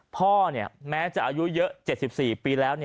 พ่อแม้จะอายุเยอะ๗๔ปีแล้ว